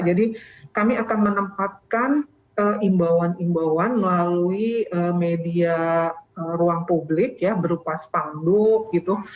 jadi kami akan menempatkan imbauan imbauan melalui media ruang publik ya berupa spanduk gitu